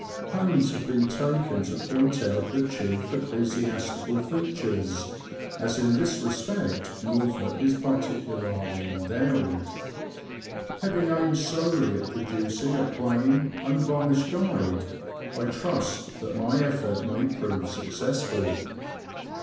Pains have been taken to point out the chief ecclesiastical features, as in this respect Norfolk is peculiarly endowed. Having aimed solely at producing a plain, unvarnished guide, I trust that my effort may prove successful.